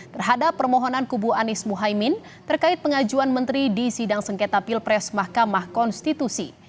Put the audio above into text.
terhadap permohonan kubu anies muhaymin terkait pengajuan menteri di sidang sengketa pilpres mahkamah konstitusi